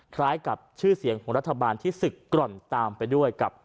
คล้ายกับชื่อเสียงของรัฐบาลที่ศึกกร่อนตามไปด้วยกับ